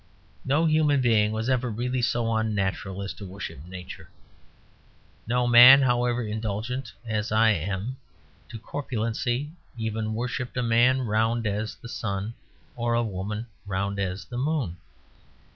No human being was ever really so unnatural as to worship Nature. No man, however indulgent (as I am) to corpulency, ever worshipped a man as round as the sun or a woman as round as the moon.